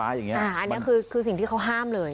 อันนี้คือสิ่งที่เขาห้ามเลย